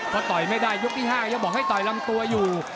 พอต่อยไม่ได้ยกที่๕ยังบอกให้ต่อยลำตัวอยู่